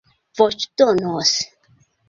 voĉdonos